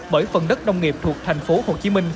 bởi phần đất nông nghiệp thuộc thành phố hồ chí minh